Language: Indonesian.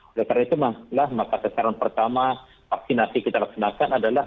oleh karena itulah maka sasaran pertama vaksinasi kita laksanakan adalah